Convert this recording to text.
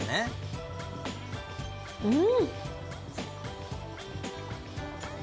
うん！